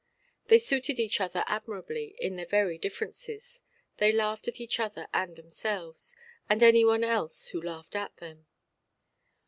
They suited each other admirably in their very differences; they laughed at each other and themselves, and any one else who laughed at them.